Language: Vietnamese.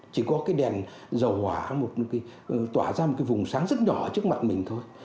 chỉ có cái đèn dầu hỏa tỏa ra một cái vùng sáng rất nhỏ trước mặt mình thôi